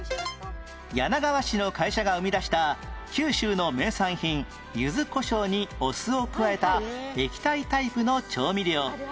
柳川市の会社が生み出した九州の名産品ゆずこしょうにお酢を加えた液体タイプの調味料